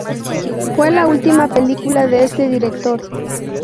Fue la última película de este director.